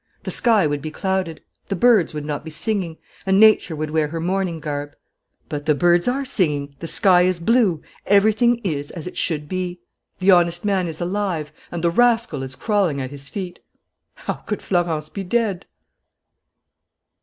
The sky would be clouded; the birds would not be singing; and nature would wear her mourning garb. But the birds are singing, the sky is blue, everything is as it should be: the honest man is alive; and the rascal is crawling at his feet. How could Florence be dead?"